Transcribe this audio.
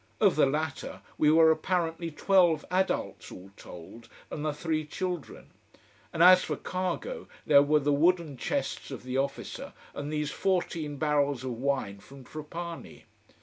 Of the latter, we were apparently twelve adults, all told, and the three children. And as for cargo, there were the wooden chests of the officer, and these fourteen barrels of wine from Trapani.